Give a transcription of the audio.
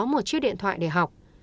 có một chiếc điện thoại để học